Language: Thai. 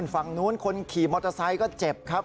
ฝั่งนู้นคนขี่มอเตอร์ไซค์ก็เจ็บครับ